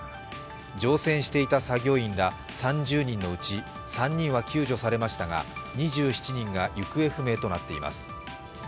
乗船していた作業員ら３０人のうち３人は救助されましたが２７人が行方不明となっています。